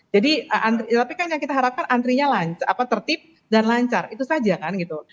jadi tapi kan yang kita harapkan antrinya tertib dan lancar itu saja kan gitu